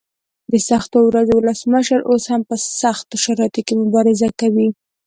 د سختو ورځو ولسمشر اوس هم په سختو شرایطو کې مبارزه کوي.